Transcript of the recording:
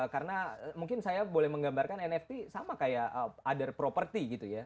karena mungkin saya boleh menggambarkan nft sama kayak other property gitu ya